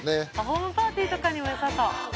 ホームパーティーとかにもよさそう。